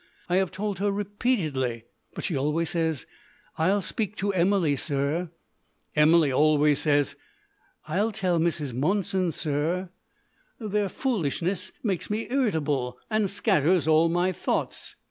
I have told her repeatedly, but she always says, "I'll speak to Emily, sir." Emily always says, "I'll tell Mrs. Monson, sir." Their foolishness makes me irritable and scatters all my thoughts.